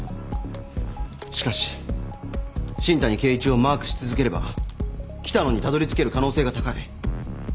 しかし新谷啓一をマークし続ければ喜多野にたどりつける可能性が高い。